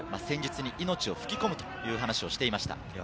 戦術に命を吹き込むという話をしていました。